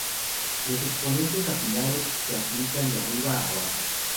Los exponentes apilados se aplican de arriba a abajo.